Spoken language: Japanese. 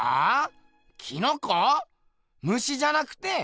虫じゃなくて？